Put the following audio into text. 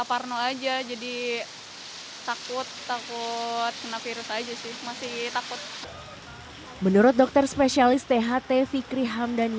parno aja jadi takut takut kena virus aja sih masih takut menurut dokter spesialis tht fikri hamdani